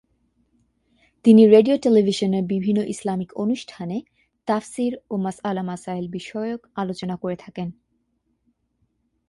তিনি রেডিও-টেলিভিশনের বিভিন্ন ইসলামি অনুষ্ঠানে তাফসির ও মাসয়ালা-মাসায়েল বিষয়ক আলোচনা করে থাকেন।